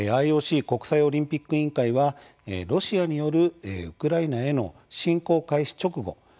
ＩＯＣ・国際オリンピック委員会はロシアによるウクライナへの侵攻開始直後